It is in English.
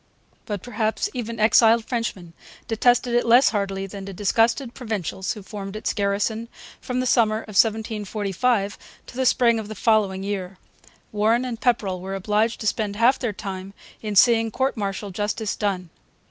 But perhaps even exiled Frenchmen detested it less heartily than the disgusted Provincials who formed its garrison from the summer of 1745 to the spring of the following year. Warren and Pepperrell were obliged to spend half their time in seeing court martial justice done.